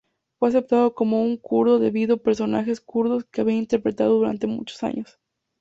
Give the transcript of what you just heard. Fue aceptado como un kurdo debido personajes kurdos que había interpretado durante muchos años.